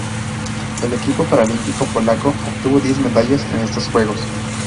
El equipo paralímpico polaco obtuvo diez medallas en estos Juegos.